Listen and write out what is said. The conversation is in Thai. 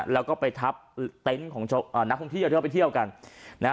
แล้วก็ไปทับเต็นต์ของนักท่องที่จะไปเที่ยวกัน